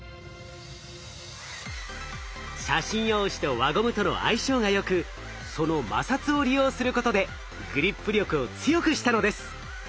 写真用紙と輪ゴムとの相性がよくその摩擦を利用することでグリップ力を強くしたのです。